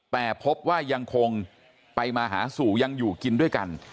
แต่พบว่ายังคงไปมาหาสู่ยังอยู่กินด้วยกัน